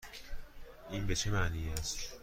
این به چه معنی است؟